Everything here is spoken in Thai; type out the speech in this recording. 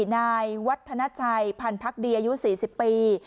นายวัฒนาชัยพันธ์ดีอายุ๔๐ปี